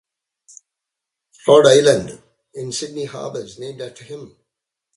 Rodd Island in Sydney Harbour is named after him.